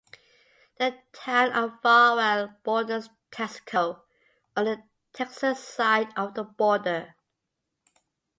The town of Farwell borders Texico on the Texas side of the border.